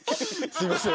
すいません！